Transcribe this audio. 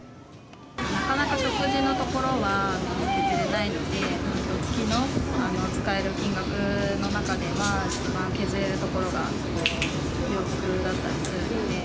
なかなか食事のところは削れないので、月の使える金額の中では、一番削れるところが洋服だったりするんで。